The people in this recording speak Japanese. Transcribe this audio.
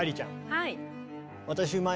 はい。